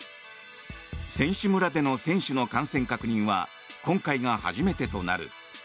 選手村での選手の感染確認は今回が初めてとなる。